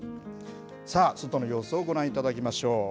外の様子をご覧いただきましょう。